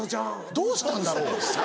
「どうしたんだろう？」。